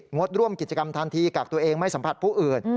งดร่วมกิจกรรมทันทีกักตัวเองไม่สัมผัสผู้อื่น